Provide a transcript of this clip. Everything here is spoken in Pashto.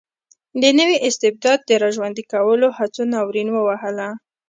د نوي استبداد د را ژوندي کولو هڅو ناورین ووهله.